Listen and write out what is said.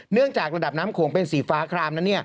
เนื่องจากระดับน้ำโขงเป็นสีฟ้าคลามนั้น